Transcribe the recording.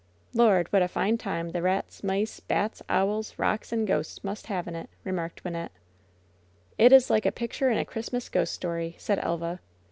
"Lord, what a fine time the rats, mice, bats, owls, rooks and ghosts must have in it !" remarked Wynnette. "It is like a picture in a Christmas ghost story," said Elva.